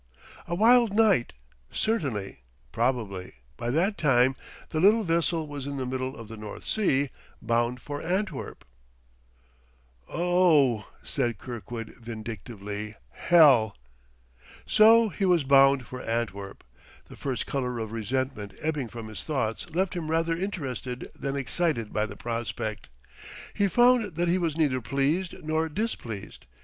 A wild night, certainly; probably, by that time, the little vessel was in the middle of the North Sea ... bound for Antwerp! "Oh h," said Kirkwood vindictively, "hell!" So he was bound for Antwerp! The first color of resentment ebbing from his thoughts left him rather interested than excited by the prospect. He found that he was neither pleased nor displeased.